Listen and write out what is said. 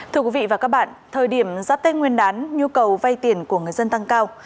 thưa quý vị và các bạn thời điểm giáp tên nguyên đán nhu cầu vay tiền của người dân tăng cao